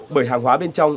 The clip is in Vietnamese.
bởi hàng hóa bên trong